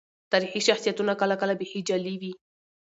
تاريخي شخصيتونه کله کله بيخي جعلي وي.